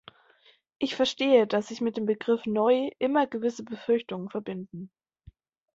Ich verstehe, dass sich mit dem Begriff "neu" immer gewisse Befürchtungen verbinden.